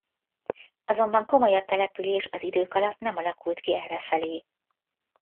Azonban komolyabb település az idők alatt nem alakult ki errefelé.